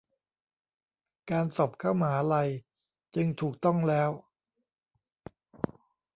การสอบเข้ามหาลัยจึงถูกต้องแล้ว